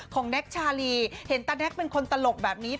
แน็กชาลีเห็นตาแก๊กเป็นคนตลกแบบนี้